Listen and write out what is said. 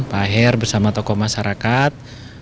pahir bersama tokoh masyarakat